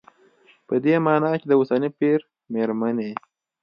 په دې مانا چې د اوسني پېر مېرمنې